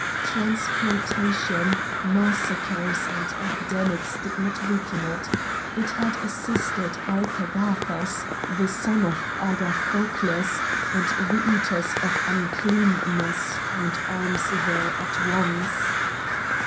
Transportation, massacres, and epidemics did not weaken it. It had assisted Archagathas, the son of Agathocles, and the Eaters of Uncleanness found arms there at once.